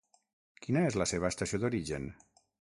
Quina és la seva estació d'origen?